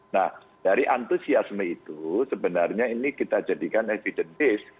nah dari antusiasme itu sebenarnya ini kita jadikan evidence based